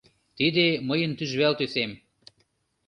Тиде — мыйын тӱжвал тӱсем.